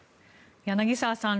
柳澤さん